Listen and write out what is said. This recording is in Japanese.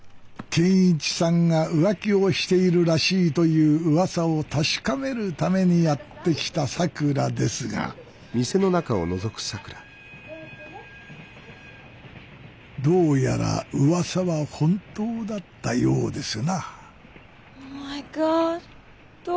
健一さんが浮気をしているらしいといううわさを確かめるためにやって来たさくらですがどうやらうわさは本当だったようですなマイゴッド。